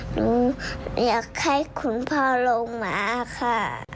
หนูอยากให้คุณพ่อลงมาค่ะ